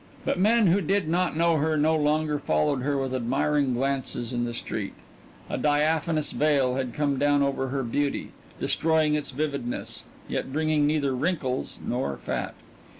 But men who did not know her no longer followed her with admiring glances in the street; a diaphanous veil had come down over her beauty, destroying its vividness, yet bringing neither wrinkles nor fat.